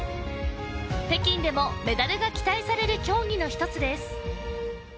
北京でもメダルが期待される競技の一つです